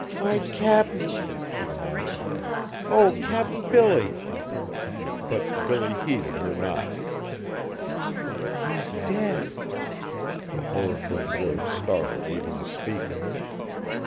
"My Cap'n!" she moaned, "oh! Cap'n Billy!" But Billy heeded her not. "He's dead!" The horror filled words startled even the speaker.